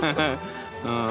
うん。